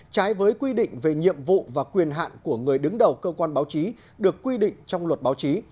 trái với quy định về nhiệm vụ và quyền hạn của người đứng đầu cơ quan báo chí được quy định trong luật báo chí